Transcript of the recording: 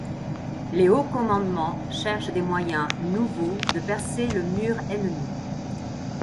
Les Hauts Commandements cherchent des moyens nouveaux de percer le mur ennemi.